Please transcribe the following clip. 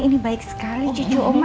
ini baik sekali cucu oma ya